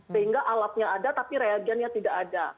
sehingga alatnya ada tapi reagennya tidak ada